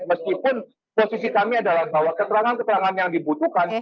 meskipun posisi kami adalah bahwa keterangan keterangan yang dibutuhkan